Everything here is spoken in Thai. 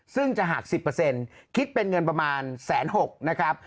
ซึ่งจะหัก๑๐คิดเป็นเงินประมาณ๑๖๐๐นะครับ